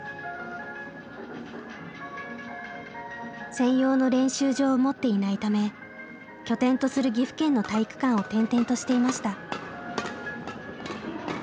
専用の練習場を持っていないため拠点とする岐阜県の体育館を転々としていました。